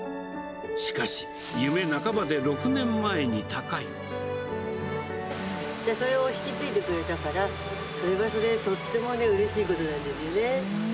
しかし、それを引き継いでくれたから、それはそれでとってもね、うれしいことなんですよね。